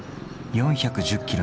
４１０キロ